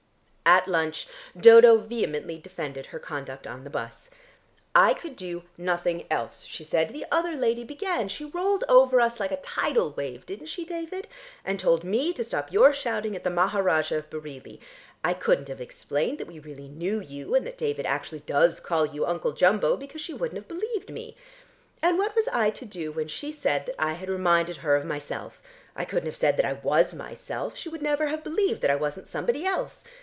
At lunch Dodo vehemently defended her conduct on the bus. "I could do nothing else," she said. "The other lady began. She rolled over us like a tidal wave, didn't she, David, and told me to stop your shouting at the Maharajah of Bareilly. I couldn't have explained that we really knew you, and that David actually does call you Uncle Jumbo, because she wouldn't have believed me. And what was I to do when she said that I had reminded her of myself? I couldn't have said that I was myself. She would never have believed that I wasn't somebody else.